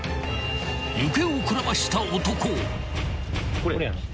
［行方をくらました男を］